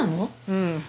うん。